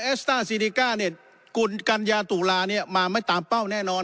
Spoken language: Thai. สต้าซีริก้าเนี่ยกุลกัญญาตุลาเนี่ยมาไม่ตามเป้าแน่นอน